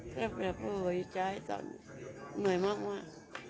แค่แบบเวย์ใจตอนนี้เหนื่อยมากมาก